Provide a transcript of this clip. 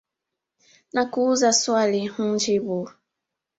Nakuuza swali unjibu.